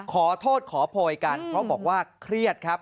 ขอโทษขอโพยกันเพราะบอกว่าเครียดครับ